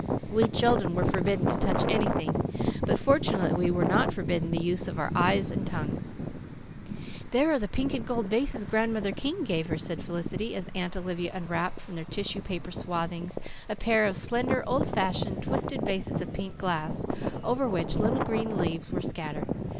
We children were forbidden to touch anything, but fortunately we were not forbidden the use of our eyes and tongues. "There are the pink and gold vases Grandmother King gave her," said Felicity, as Aunt Olivia unwrapped from their tissue paper swathings a pair of slender, old fashioned, twisted vases of pink glass, over which little gold leaves were scattered.